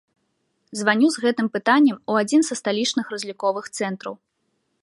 Званю з гэтым пытаннем у адзін са сталічных разліковых цэнтраў.